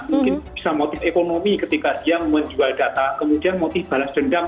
mungkin bisa motif ekonomi ketika dia menjual data kemudian motif balas dendam